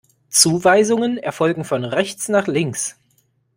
Zuweisungen erfolgen von rechts nach links.